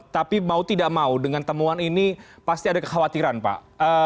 tapi mau tidak mau dengan temuan ini pasti ada kekhawatiran pak